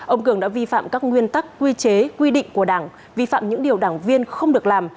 ông cường đã vi phạm các nguyên tắc quy chế quy định của đảng vi phạm những điều đảng viên không được làm